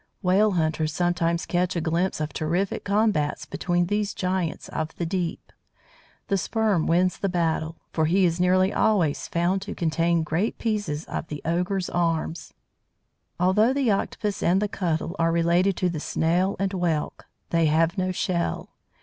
Whale hunters sometimes catch a glimpse of terrific combats between these giants of the deep. The Sperm wins the battle, for he is nearly always found to contain great pieces of the ogre's arms. Although the Octopus and the Cuttle are related to the Snail and Whelk, they have no shell.